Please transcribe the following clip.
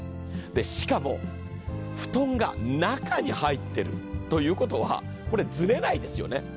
しかも、布団が中に入っているということはこれ、ずれないんですよね。